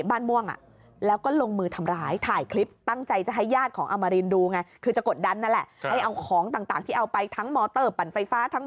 อามารินอ่ะขโมยมอเตอร์ปั่นไฟฟ้า